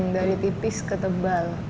dari tipis ke tebal